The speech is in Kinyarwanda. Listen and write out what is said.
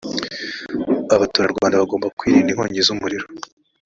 abaturarwanda bagomba kwirinda inkongi z ‘umuriro.